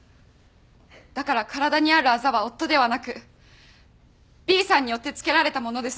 だから体にあるあざは夫ではなくＢさんによってつけられたものです。